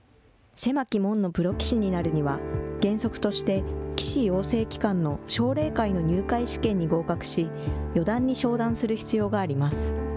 狭き門のプロ棋士になるには、原則として棋士養成機関の奨励会の入会試験に合格し、四段に昇段する必要があります。